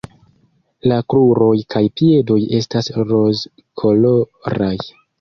La kruroj kaj piedoj estas rozkoloraj.